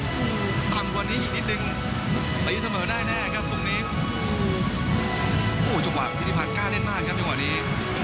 อู้ทันวันนี้นิดนึงประยิบเสมอได้แน่ครับตรงนี้อู้จังหว่าพิธีพันธ์กล้าเล่นมากครับจังหว่านี้